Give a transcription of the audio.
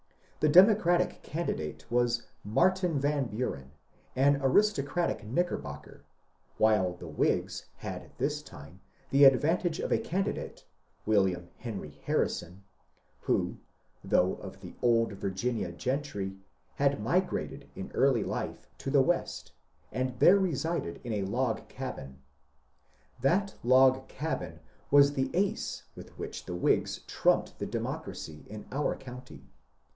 The Democratic candidate was Martin Van Buren, an aristocratic Knickerbocker, while the Whigs had this time the advantage of a candidate (William Henry Har rison) who, though of the old Virginia gentry, had migrated in early life to the West, and there resided in a log cabin. That log cabin was the ace with which the Whigs trumped the Democracy in our county.